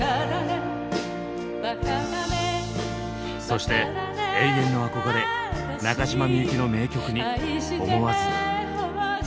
そして永遠の憧れ中島みゆきの名曲に思わず。